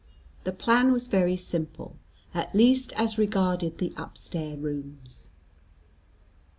The plan was very simple, at least as regarded the upstair rooms.